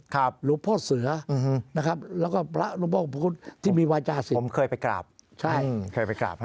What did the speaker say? ครึ่งเคยไปกลับ